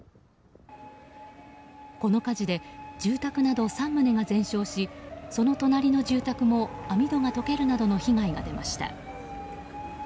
この火事で住宅など３棟が全焼しその隣の住宅も網戸が溶けるなどの被害が出ました。